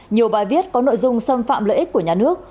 nhiều bài viết có nội dung xâm phạm lợi ích của nhà nước